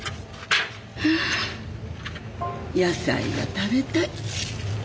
野菜が食べたい。